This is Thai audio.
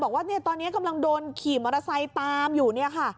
บอกว่าตอนนี้กำลังโดนขี่มอเตอร์ไซต์ตามอยู่